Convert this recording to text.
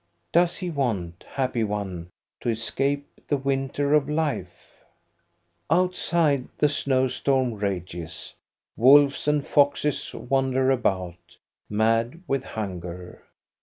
Does he want, happy one ! to escape the winter of life ? Outside the snow storm rages; wolves and foxes wander about, mad with hunger.